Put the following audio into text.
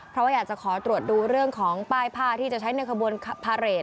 เพราะว่าอยากจะขอตรวจดูเรื่องของป้ายผ้าที่จะใช้ในขบวนพาเรท